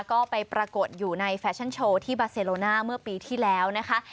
ก็ไปปรากฏอยู่ในแฟชั่นโชว์ที่บาเซโลน่าเมื่อปีที่แล้วนะคะ